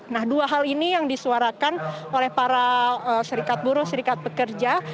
nah dua hal ini yang disuarakan oleh para serikat buruh serikat pekerja